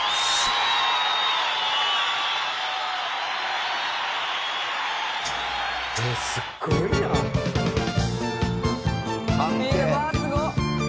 「うわーすごっ！」